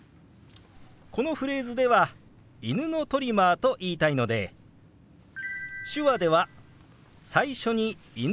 このフレーズでは「犬のトリマー」と言いたいので手話では最初に「犬」をつけて表します。